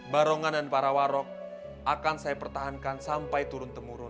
barongan dan para warok akan saya pertahankan sampai turun temurun